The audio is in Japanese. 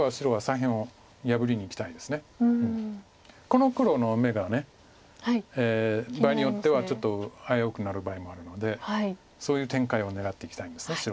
この黒の眼が場合によってはちょっと危うくなる場合もあるのでそういう展開を狙っていきたいんです白は。